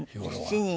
７人？